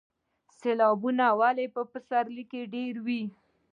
سیلابونه ولې په پسرلي کې ډیر وي؟